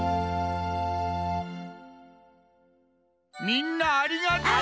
みんなありがとう！